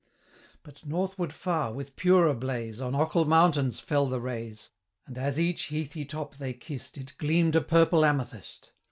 But northward far, with purer blaze, On Ochil mountains fell the rays, And as each heathy top they kiss'd, 620 It gleam'd a purple amethyst.